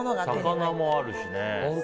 魚もあるしね。